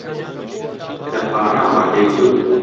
دەپاڕاوە، دەیگوت: